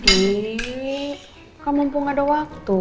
ini kamu mumpung ada waktu